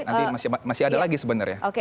nanti masih ada lagi sebenarnya